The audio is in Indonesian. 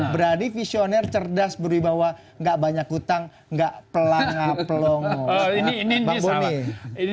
berani visioner cerdas berubah bahwa gak banyak hutang gak pelangga pelongos